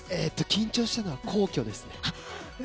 緊張したのは皇居です。